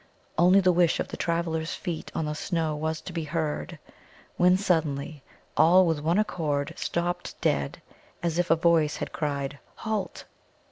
Only the whish of the travellers' feet on the snow was to be heard, when suddenly all with one accord stopped dead, as if a voice had cried, "Halt!"